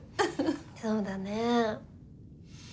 そうだね。